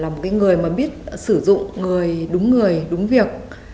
một người mà biết sử dụng đúng người đúng việc